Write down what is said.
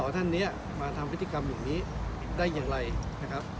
ท่านนี้มาทำพฤติกรรมอย่างนี้ได้อย่างไรนะครับ